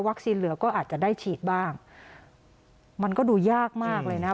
เหลือก็อาจจะได้ฉีดบ้างมันก็ดูยากมากเลยนะ